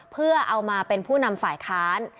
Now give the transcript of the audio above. เพื่อเอามาเป็นผู้นำฝ่ายค้าน